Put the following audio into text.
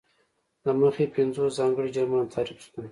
له مخې یې پینځوس ځانګړي جرمونه تعریف شول.